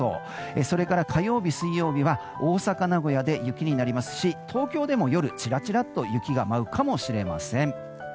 それから火曜日、水曜日は大阪、名古屋で雪になりますし東京でも夜、ちらちらと雪が舞うかもしれません。